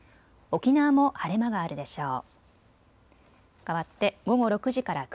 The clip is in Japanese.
沖縄も晴れ間があるでしょう。